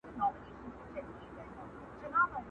اوس به څوك لېږي ميرا ته غزلونه!